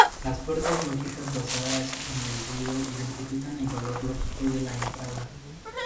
Las puertas lógicas basadas en el ruido identifican el valor lógico de la entrada.